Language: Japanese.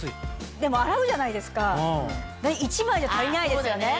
でも洗うじゃないですか１枚じゃ足りないですよね。